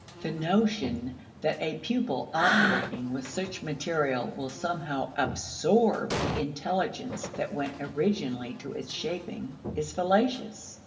The notion that a pupil operating with such material will somehow absorb the intelligence that went originally to its shaping is fallacious.